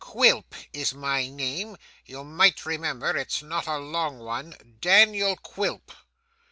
'Quilp is my name. You might remember. It's not a long one Daniel Quilp.